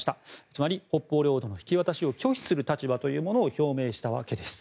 つまり北方領土の引き渡しを拒否する立場というものを表明したわけです。